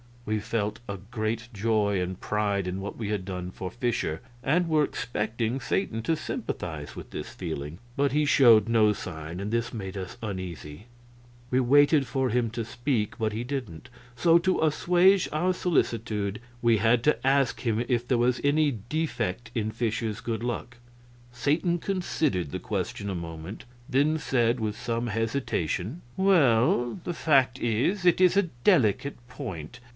We felt a great joy and pride in what we had done for Fischer, and were expecting Satan to sympathize with this feeling; but he showed no sign and this made us uneasy. We waited for him to speak, but he didn't; so, to assuage our solicitude we had to ask him if there was any defect in Fischer's good luck. Satan considered the question a moment, then said, with some hesitation: "Well, the fact is, it is a delicate point.